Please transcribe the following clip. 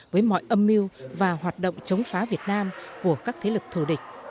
với mọi âm mưu và hoạt động chống phá việt nam của các thế lực thù địch